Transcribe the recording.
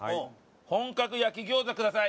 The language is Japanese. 本格焼餃子ください。